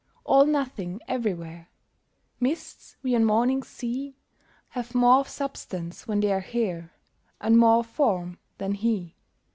All nothing everywhere: Mists we on mornings see Have more of substance when they're here And more of form than he.